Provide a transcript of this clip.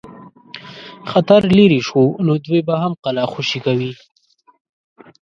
خطر لیري شو نو دوی به هم قلا خوشي کوي.